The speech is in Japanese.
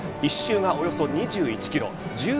１周がおよそ２１キロ。